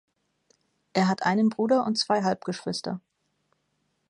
Er hat einen Bruder und zwei Halbgeschwister.